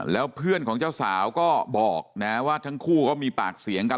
แล้วเพื่อนของเจ้าสาวก็บอกนะว่าทั้งคู่ก็มีปากเสียงกัน